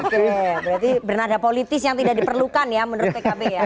berarti bernada politis yang tidak diperlukan ya menurut pkb ya